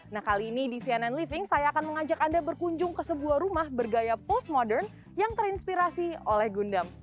nah kali ini di cnn living saya akan mengajak anda berkunjung ke sebuah rumah bergaya post modern yang terinspirasi oleh gundam